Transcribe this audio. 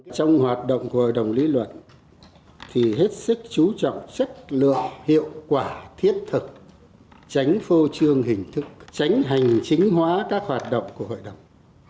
trong hoạt động của hội đồng lý luận thì hết sức chú trọng chất lượng hiệu quả thiết thực tránh phô trương hình thức tránh hành chính hóa các hoạt động của hội đồng